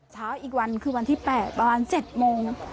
เช้าอีกวันคือวันที่๘ประมาณ๗โมง